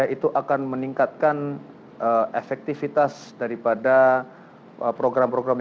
itu akan meningkatkan efektivitas daripada program program yang sebagainya